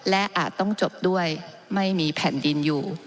และอาจต้องจบด้วยไม่มีแผ่นดินอยู่